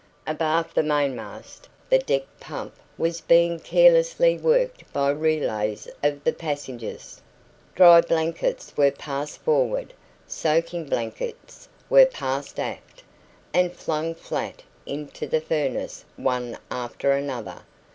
Abaft the mainmast the deck pump was being ceaselessly worked by relays of the passengers; dry blankets were passed forward, soaking blankets were passed aft, and flung flat into the furnace one after another.